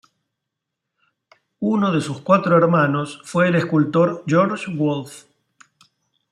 Uno de sus cuatro hermanos fue el escultor Georg Wolf.